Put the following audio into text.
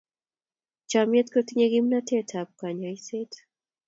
Chomnyet kotinyei kimnatetab kanyoiseet.